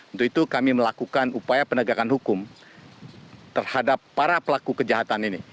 untuk itu kami melakukan upaya penegakan hukum terhadap para pelaku kejahatan ini